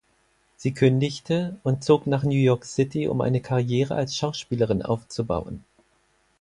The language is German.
Sie kündigte und zog nach New York City, um eine Karriere als Schauspielerin aufzubauen.